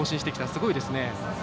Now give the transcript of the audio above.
すごいですね。